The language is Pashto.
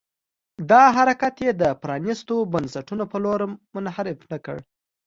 دا حرکت یې د پرانيستو بنسټونو په لور منحرف نه کړ.